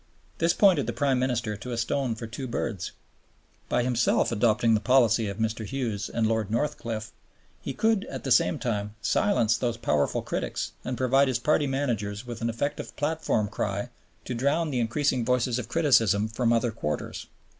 This pointed the Prime Minister to a stone for two birds. By himself adopting the policy of Mr. Hughes and Lord Northcliffe, he could at the same time silence those powerful critics and provide his party managers with an effective platform cry to drown the increasing voices of criticism from other quarters.